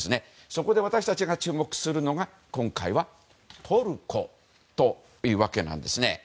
そこで私たちが注目するのが今回はトルコというわけです。